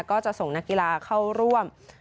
ก็จะส่งนักกีฬาเข้าร่วม